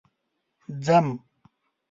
ځم